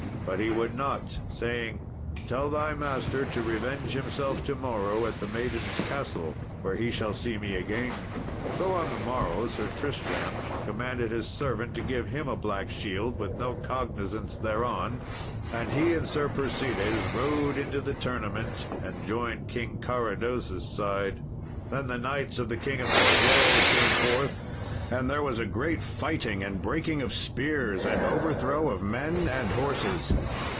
But he would not, saying, "Tell thy master to revenge himself to morrow at the Maiden's Castle, where he shall see me again." So on the morrow Sir Tristram commanded his servant to give him a black shield with no cognizance thereon, and he and Sir Persides rode into the tournament and joined King Carados' side. Then the knights of the King of North Wales came forth, and there was a great fighting and breaking of spears, and overthrow of men and horses.